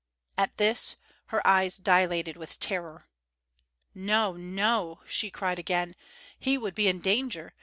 At this her eyes dilated with terror. "No, no!" she cried again. "He would be in danger.